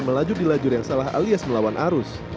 melajur dilajur yang salah alias melawan arus